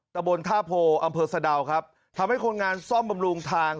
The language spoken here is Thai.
ตะบนท่าโพอำเภอสะดาวครับทำให้คนงานซ่อมบำรุงทาง